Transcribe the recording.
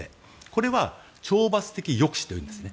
これは懲罰的抑止というんですね。